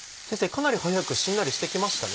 かなり早くしんなりしてきましたね。